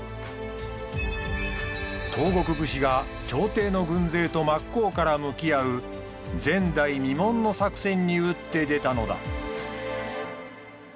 東国武士が朝廷の軍勢と真っ向から向き合う前代未聞の作戦に打って出たのだ。